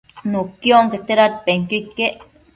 nuqui onquete dadpenquio iquec